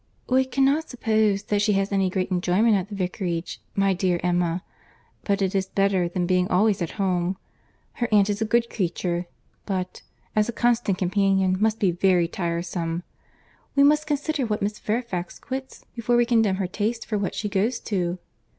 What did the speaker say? "We cannot suppose that she has any great enjoyment at the Vicarage, my dear Emma—but it is better than being always at home. Her aunt is a good creature, but, as a constant companion, must be very tiresome. We must consider what Miss Fairfax quits, before we condemn her taste for what she goes to."